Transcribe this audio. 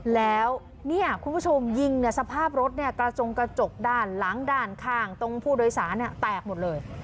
แล้วเนี่ยคุณผู้ชมยิงเนี่ยสภาพรถเนี่ยกระจงกระจกด้านหลังด้านข้างตรงผู้โดยสารแตกหมดเลย